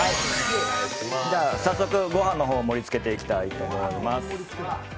早速、ご飯のほう盛りつけていきたいと思います。